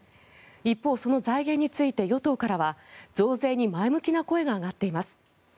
一方、その財源について与党からは増税に前向きな声が上がっています。